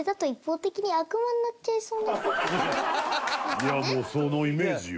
いやもうそのイメージよ。